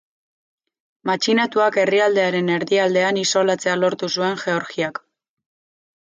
Matxinatuak herrialdearen erdialdean isolatzea lortu zuen Georgiak.